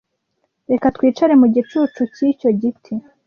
Reka twicare mu gicucu cyicyo giti.